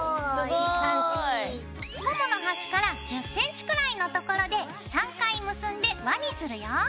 ゴムの端から１０ｃｍくらいの所で３回結んで輪にするよ。